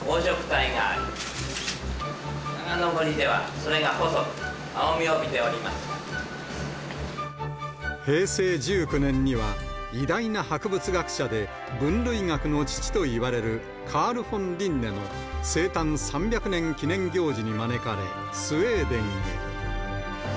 それが細く、平成１９年には偉大な博物学者で、分類学の父といわれる、カール・フォン・リンネの生誕３００年記念行事に招かれ、スウェーデンへ。